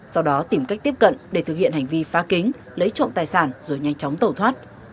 sau đó tìm cách tiếp cận để thực hiện hành vi phá kính lấy trộm tài sản rồi nhanh chóng tẩu thoát